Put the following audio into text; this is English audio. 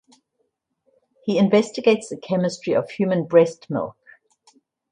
He investigates the chemistry of human breast milk.